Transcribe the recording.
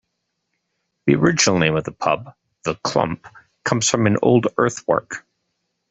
The original name of the pub, 'The Clump' comes from an old earthwork.